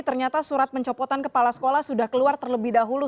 ternyata surat pencopotan kepala sekolah sudah keluar terlebih dahulu